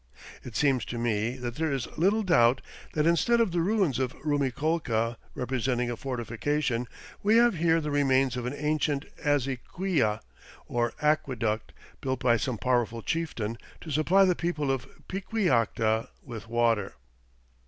It seems to me that there is little doubt that instead of the ruins of Rumiccolca representing a fortification, we have here the remains of an ancient azequia, or aqueduct, built by some powerful chieftain to supply the people of Piquillacta with water.